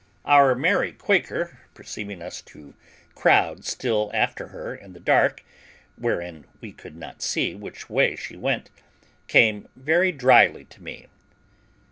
Our merry Quaker, perceiving us to crowd still after her in the dark, wherein we could not see which way she went, came very dryly to me.